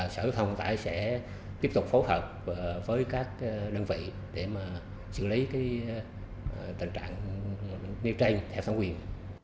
sở thông sẽ tiếp tục phối hợp với các đơn vị để xử lý tình trạng nêu tranh theo thông quyền